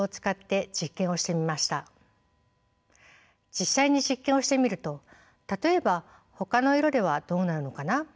実際に実験をしてみると例えばほかの色ではどうなるのかな？